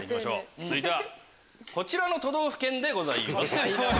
続いてはこちらの都道府県でございます。